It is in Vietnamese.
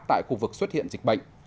tại khu vực xuất hiện dịch bệnh